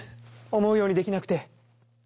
思うようにできなくて。